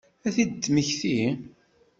Ad t-id-temmekti?